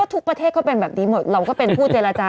ทุกประเทศก็เป็นแบบนี้หมดเราก็เป็นผู้เจรจา